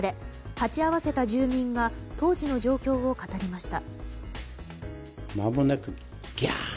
鉢合わせた住民が当時の状況を語りました。